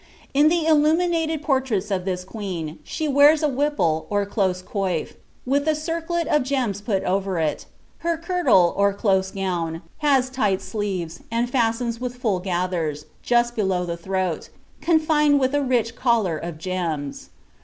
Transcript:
In the illir minaied portraits of this queen, she wears a wimple, or close coif, wiib a circlet of gems put over it ; her kirtle, or close gown, has tight sImtbs and fastens with full gathers, just below the throat, confined with • neb collar of gems.